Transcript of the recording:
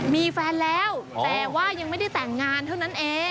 มีแฟนแล้วแต่ว่ายังไม่ได้แต่งงานเท่านั้นเอง